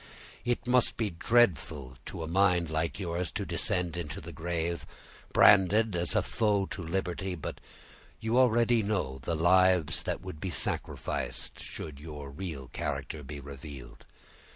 "It must be dreadful to a mind like yours to descend into the grave, branded as a foe to liberty; but you already know the lives that would be sacrificed, should your real character be revealed.